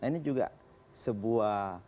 nah ini juga sebuah